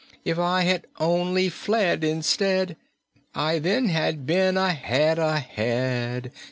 'If I had only fled, instead, I then had been a head ahead.'